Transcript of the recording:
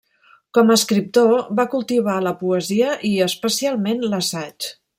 Com a escriptor, va cultivar la poesia i, especialment, l'assaig.